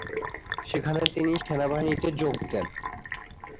সেখানে তিনি সেনাবাহিনীতে যোগ দেন।